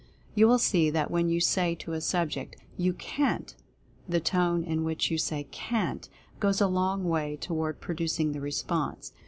You will see that when you say to a subject, "You CAN'T," the tone in which you say "CAN'T" goes a long way toward producing the response.